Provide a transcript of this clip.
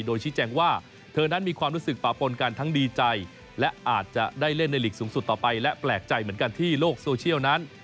โดยชี้แจงว่าเธอนั้นมีความรู้สึกป่าปนกันทั้งดีใจและอาจจะได้เล่นในหลีกสูงสุดต่อไปและแปลกใจเหมือนกันที่โลกโซเชียลนั้น